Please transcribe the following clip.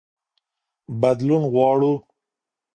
بدلون غواړو.